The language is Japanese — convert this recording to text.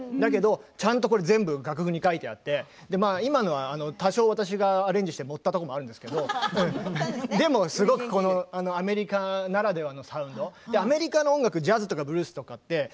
ちゃんとこれは楽譜に書いてあって、今のは多少私がアレンジして盛ったところもあるんですけれどもでもすごくアメリカならではのサウンドジャズとかブルースとかって。